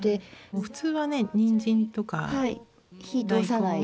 普通はねにんじんとか大根を。